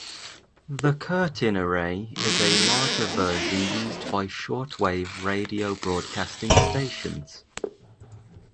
The curtain array is a larger version used by shortwave radio broadcasting stations.